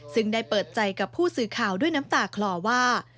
ซึ่งได้เปิดใจกับผู้สื่อข่าวด้วยน้ำตาคลอว่า